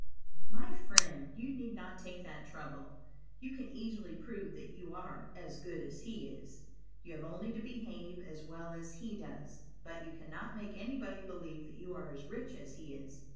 My friend, you need not take that trouble; you can easily prove that you are "as good as he is;" you have only to behave as well as he does; but you cannot make anybody believe that you are rich as he is.